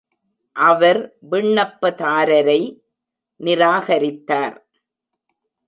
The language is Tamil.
அவர் விண்ணப்பதாரரை நிராகரித்தார்.